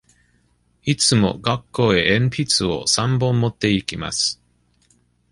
いつも学校へ鉛筆を三本持って行きます。